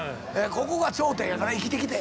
ここが頂点やから生きてきて。